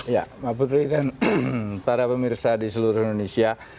ya mbak putri dan para pemirsa di seluruh indonesia